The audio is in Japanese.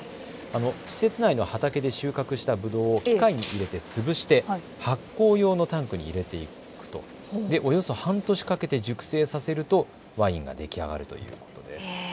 施設内の畑で収穫したぶどうを機械に入れて潰して発酵用のタンクに入れていくとおよそ半年かけて熟成させるとワインが出来上がるということです。